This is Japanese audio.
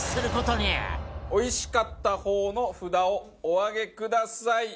おいしかった方の札をお上げください。